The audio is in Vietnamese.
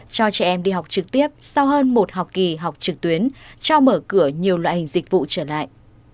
cho trẻ em đi học trực tiếp sau hơn một học kỳ học trực tuyến cho mở cửa nhiều loại hình dịch vụ trở lại